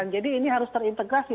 jadi ini harus terintegrasi